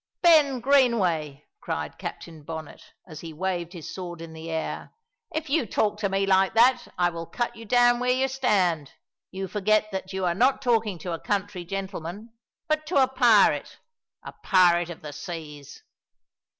"] "Ben Greenway," cried Captain Bonnet, as he waved his sword in the air, "if you talk to me like that I will cut you down where you stand! You forget that you are not talking to a country gentleman, but to a pirate, a pirate of the seas!"